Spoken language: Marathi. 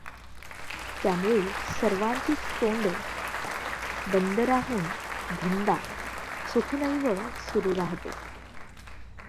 त्यामुळे सर्वांचीच तोंडं बंदराहून ‘धंदा’ सुखनैव सुरू राहतो.